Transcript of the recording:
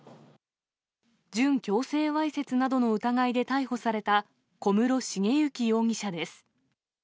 準強制わいせつなどの疑いで逮捕された小室茂行容疑者です。